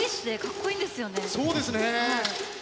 そうですね。